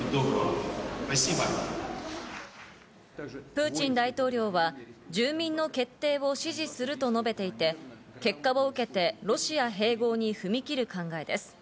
プーチン大統領は、住民の決定を支持すると述べていて、結果を受けてロシア併合に踏み切る考えです。